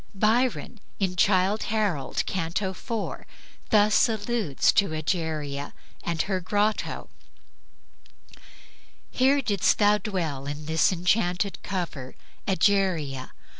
Byron, in "Childe Harold," Canto IV., thus alludes to Egeria and her grotto: "Here didst thou dwell, in this enchanted cover, Egeria!